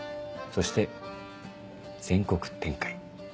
そして全国展開。